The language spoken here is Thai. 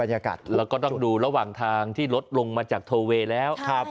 ยากเราก็ต้องดูระหว่างทางที่ลดลงมาจากโทเวย์แล้ว